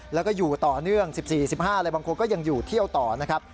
แล้วก็อยู่ต่อเนื่อง๑๔๑๕อะไรบางคนก็ยังอยู่เที่ยวต่อนะครับ